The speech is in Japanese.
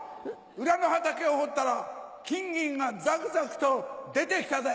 裏の畑を掘ったら金銀がザクザクと出てきたぜ！